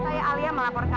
saya alia melapak